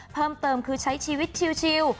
เพิ่มเติมคือใช้ชีวิตชิว